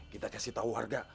kita kasih tahu warga